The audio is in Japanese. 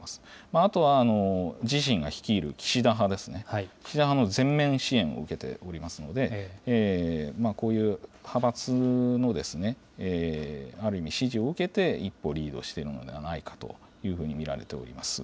あとは、自身が率いる岸田派ですね、岸田派の全面支援を受けておりますので、こういう派閥のある意味、支持を受けて、一歩リードしているのではないかと見られております。